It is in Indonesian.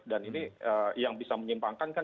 dan ini yang bisa menyimpangkan kan